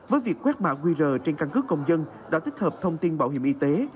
với việc quét mạng qr trên căn cước công dân đã tích hợp thông tin bảo hiểm y tế